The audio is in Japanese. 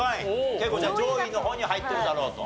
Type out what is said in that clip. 結構上位の方に入ってるだろうと。